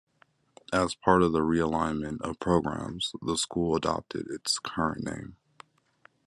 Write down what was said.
As part of the realignment of programs, the school adopted its current name.